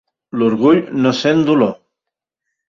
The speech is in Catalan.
L'orgull no sent dolor.